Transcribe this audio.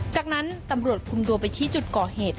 จากนั้นตำรวจคุมตัวไปชี้จุดก่อเหตุ